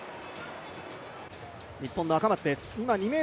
日本の赤松です